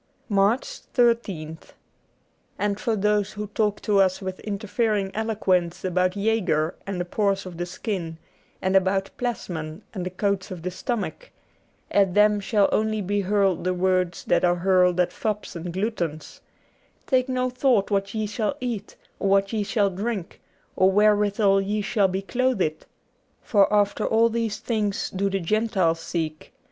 78 MARCH 13th A ND for those who talk to us with interfering J'\ eloquence about Jaeger and the pores of the skin, and about Plasmon and the coats of the stomach, at them shall only be hurled the words that are hurled at fops and gluttons, ' Take no thought what ye shall eat, or what ye shall drink, or wherewithal ye shall be clothed. For after all these things do the Gentiles seek.